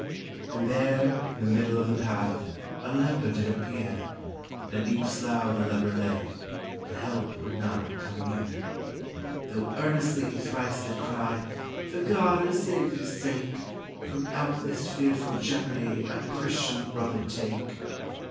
And there, in the middle of the path, a leper did appear; In a deep slough the leper lay; to help would none come near, 446 THE CID AND THE LEPER Though earnestly he thrice did cry: "For God our Sav iour's sake, From out this fearful jeopardy a Christian brother take."